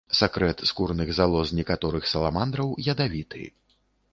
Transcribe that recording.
Сакрэт скурных залоз некаторых саламандраў ядавіты.